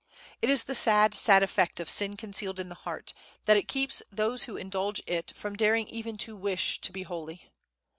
It is the sad, sad effect of sin concealed in the heart, that it keeps those who indulge it from daring even to wish to be holy.